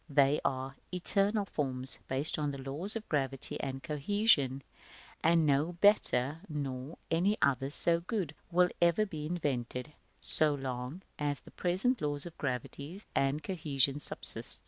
They are eternal forms, based on laws of gravity and cohesion; and no better, nor any others so good, will ever be invented, so long as the present laws of gravity and cohesion subsist.